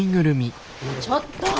ちょっと！